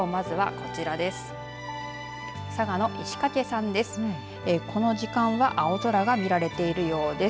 この時間は青空が見られているようです。